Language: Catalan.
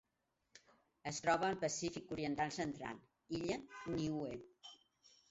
Es troba al Pacífic oriental central: illa Niue.